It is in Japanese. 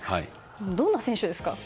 どんな選手ですか？